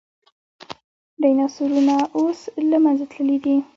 ډیناسورونه اوس له منځه تللي دي